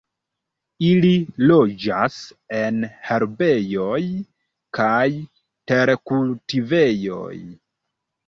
Ili loĝas en herbejoj kaj terkultivejoj.